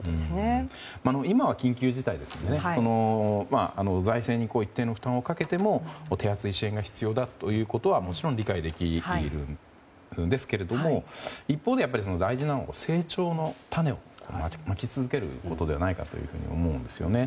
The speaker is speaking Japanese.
今は緊急事態ですので財政に一定の負担をかけても手厚いものが必要なことはもちろん理解できるんですけども一方で大事なのは成長の種をまき続けることではないかとも思うんですよね。